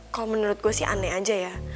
kalau menurut gue sih aneh aja ya